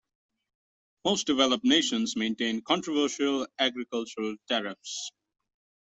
Most developed nations maintain controversial agricultural tariffs.